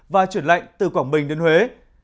và chuyển lạnh từ quảng bình đến huế